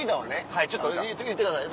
はいちょっと言ってください。